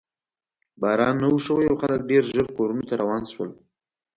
باران نه و شوی او خلک ډېر ژر کورونو ته روان شول.